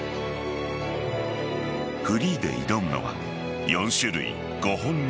フリーで挑むのは４種類５本の